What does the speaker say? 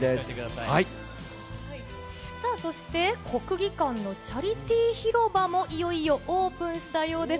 さあそして、国技館のチャリティー広場もいよいよオープンしたようです。